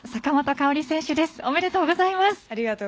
ありがとうございます。